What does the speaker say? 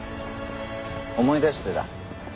思い出してた。